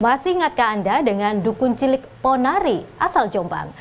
masih ingatkah anda dengan dukun cilik ponari asal jombang